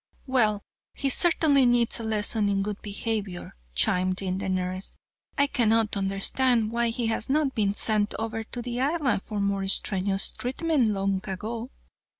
"Well, he certainly needs a lesson in good behavior," chimed in the nurse; "I cannot understand why he has not been sent over to the Island for more strenuous treatment long ago."